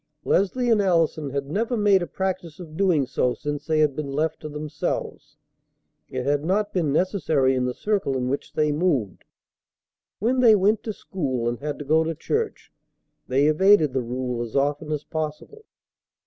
Leslie and Allison had never made a practice of doing so since they had been left to themselves. It had not been necessary in the circle in which they moved. When they went to school, and had to go to church, they evaded the rule as often as possible.